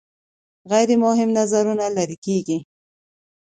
غیر مهم نظرونه لرې کیږي.